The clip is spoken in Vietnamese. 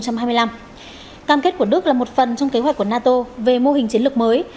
cam kết của đức là một phần trong kế hoạch của nato về mô hình chiến lược mới